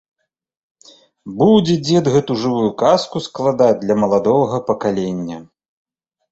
Будзе дзед гэтую жывую казку складаць для маладога пакалення.